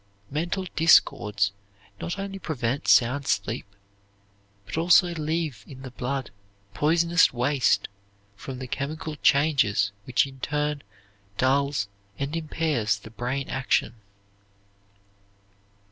Mental discords not only prevent sound sleep but also leave in the blood poisonous waste from the chemical changes which in turn dulls and impairs the brain action.